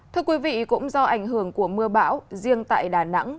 thưa quý vị cũng do ảnh hưởng của mưa bão riêng tại đà nẵng